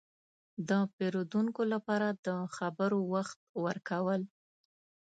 – د پېرودونکو لپاره د خبرو وخت ورکول.